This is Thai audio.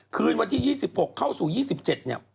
คืนวันที่๒๖เข้าสู่๒๗เนี่ย